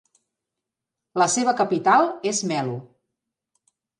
La seva capital és Melo.